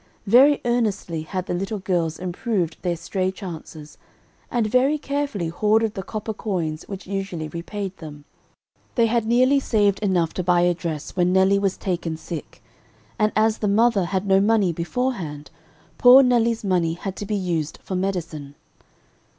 Very earnestly had the little girls improved their stray chances, and very carefully hoarded the copper coins which usually repaid them. They had nearly saved enough to buy a dress, when Nelly was taken sick, and as the mother had no money beforehand, poor Nelly's money had to be used for medicine.